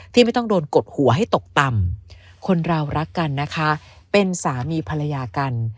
ไม่ต้องโดนกดหัวให้ตกต่ำคนเรารักกันนะคะเป็นสามีภรรยากัน